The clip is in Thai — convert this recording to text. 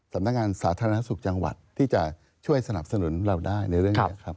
สำนักงานสาธารณสุขจังหวัดที่จะช่วยสนับสนุนเราได้ในเรื่องนี้ครับ